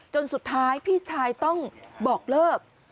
จนสุดท้ายพี่ชายต้องบอกเลิก